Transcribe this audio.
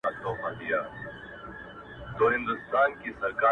پر ما به اور دغه جهان ســـي گــــرانــــي.